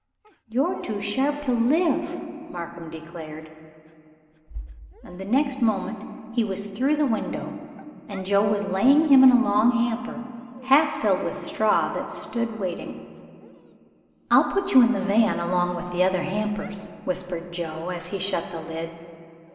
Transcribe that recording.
"You're too sharp to live," Markham declared; and next moment he was through the window, and Joe was laying him in a long hamper half filled with straw that stood waiting. "I'll put you in the van along with the other hampers," whispered Joe as he shut the lid.